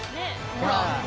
ほら。